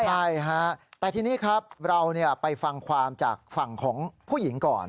ใช่ฮะแต่ทีนี้ครับเราไปฟังความจากฝั่งของผู้หญิงก่อน